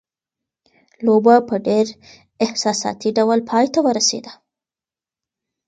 لوبه په ډېر احساساتي ډول پای ته ورسېده.